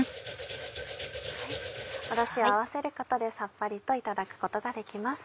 おろしを合わせることでさっぱりといただくことができます。